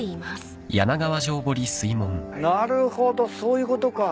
なるほどそういうことか。